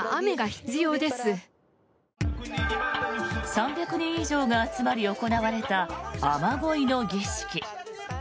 ３００人以上が集まり行われた雨乞いの儀式。